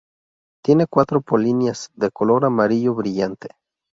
Tiene cuatro polinias de color amarillo brillante.